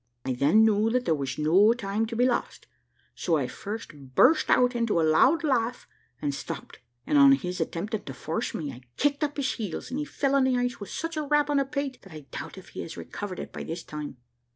I then knew that there was no time to be lost, so I first burst out into a loud laugh and stopped; and on his attempting to force me, I kicked up his heels, and he fell on the ice with such a rap on the pate, that I doubt if he has recovered it by this time.